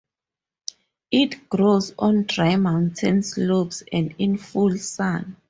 It grows on dry mountain slopes and in full sun.